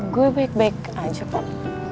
gue baik baik aja pak